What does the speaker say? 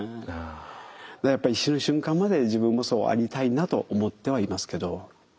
だからやっぱり死ぬ瞬間まで自分もそうありたいなと思ってはいますけど。